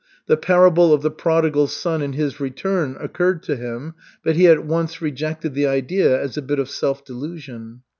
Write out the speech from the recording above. The parable of the prodigal son and his return occurred to him, but he at once rejected the idea as a bit of self delusion.